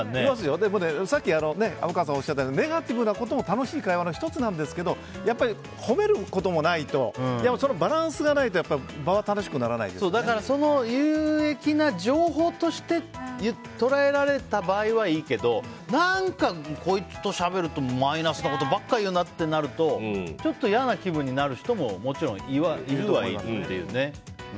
さっき虻川さんがおっしゃったようにネガティブなことも楽しい会話の１つなんですが褒めることもないとそのバランスがないとその有益な情報として捉えられた場合はいいけど何か、こいつとしゃべるとマイナスなことばっか言うなってなるとちょっと嫌な気分になる人ももちろん、いるはいるっていうね。